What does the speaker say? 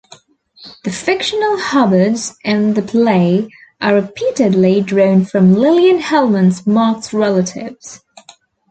The fictional Hubbards in the play are reputedly drawn from Lillian Hellman's Marx relatives.